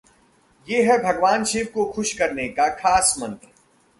ये है भगवान शिव को खुश करने का खास मंत्र